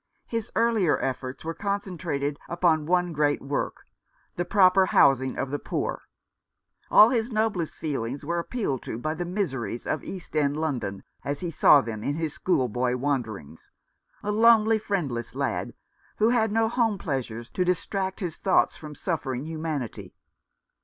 His earlier efforts were concentrated upon one great work, the proper housing of the poor. All his noblest feelings were appealed to by the miseries of East End London, as he saw them in his school boy wanderings, a lonely, friendless lad, who had no home pleasures to distract his thoughts from suffering humanity.